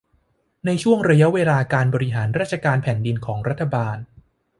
ในช่วงระยะเวลาการบริหารราชการแผ่นดินของรัฐบาล